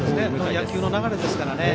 野球の流れですからね。